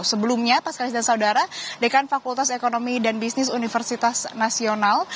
sebelumnya taskalis dan saudara dekan fakultas ekonomi dan bisnis universitas nasional